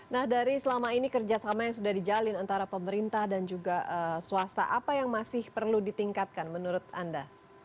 nah dari selama ini kerjasama yang sudah dijalin antara pemerintah dan juga swasta apa yang masih perlu ditingkatkan menurut anda